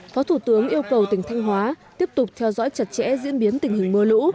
phó thủ tướng yêu cầu tỉnh thanh hóa tiếp tục theo dõi chặt chẽ diễn biến tình hình mưa lũ